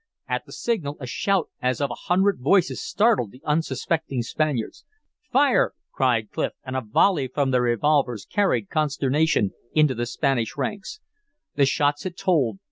At the signal a shout as of a hundred voices startled the unsuspecting Spaniards. "Fire!" cried Clif and a volley from their revolvers carried consternation into the Spanish ranks. The shots had told.